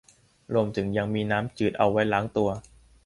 รวมถึงยังมีน้ำจืดเอาไว้ล้างตัว